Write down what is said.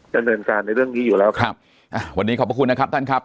ดำเนินการในเรื่องนี้อยู่แล้วครับอ่าวันนี้ขอบพระคุณนะครับท่านครับ